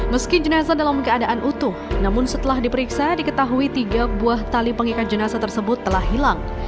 meski jenazah dalam keadaan utuh namun setelah diperiksa diketahui tiga buah tali pengikat jenazah tersebut telah hilang